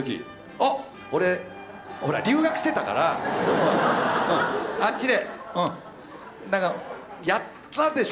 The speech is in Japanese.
あっ俺ほら留学してたからうんうんあっちでうんなんかやったでしょ